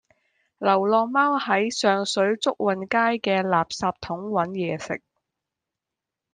流浪貓喺上水祝運街嘅垃圾桶搵野食